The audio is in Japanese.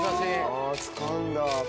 あぁつかんだ。